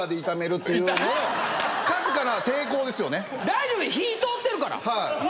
大丈夫火とおってるから。